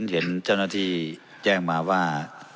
เห็นเจ้าหน้าที่แจ้งมาว่า